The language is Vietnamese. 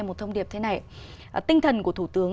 một thông điệp thế này tinh thần của thủ tướng